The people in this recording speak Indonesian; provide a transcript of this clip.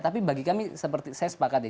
tapi bagi kami seperti saya sepakat ya